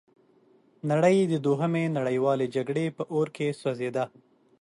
نړۍ د دوهمې نړیوالې جګړې په اور کې سوځیده.